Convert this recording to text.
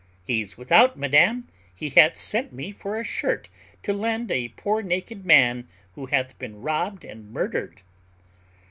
"He's without, madam; he hath sent me for a shirt to lend a poor naked man, who hath been robbed and murdered."